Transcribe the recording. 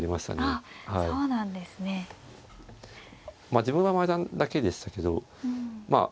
まあ自分はマージャンだけでしたけどまあ